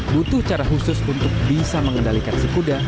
butuh cara khusus untuk bisa mengendalikan si kuda